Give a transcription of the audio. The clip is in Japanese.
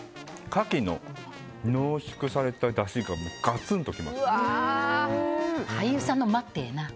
カキの濃縮されただしがガツンときます。